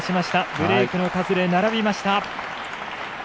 ブレークの数で並びました。